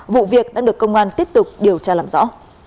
vụ việc đã được công an tiếp tục điều tra làm rõ